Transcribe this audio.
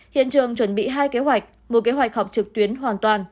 hiện trường chuẩn bị hai kế hoạch một kế hoạch họp trực tuyến hoàn toàn